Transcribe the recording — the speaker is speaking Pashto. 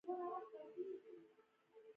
هغوی په سپین رڼا کې پر بل باندې ژمن شول.